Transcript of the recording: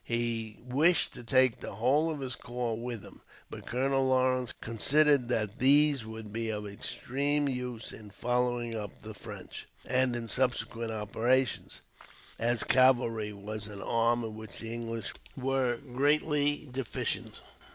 He wished to take the whole of his corps with him; but Colonel Lawrence considered that these would be of extreme use in following up the French, and in subsequent operations, as cavalry was an arm in which the English were greatly deficient.